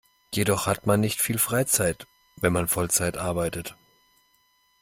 Jedoch hat man nicht viel Freizeit, wenn man Vollzeit arbeitet.